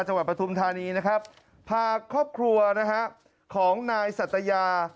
ปฐุมธานีนะครับพาครอบครัวนะฮะของนายสัตยา